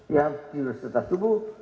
ya tidur setelah subuh